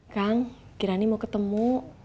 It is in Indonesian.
kang kirani mau ketemu